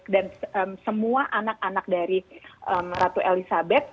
dan semua anak anak dari ratu elizabeth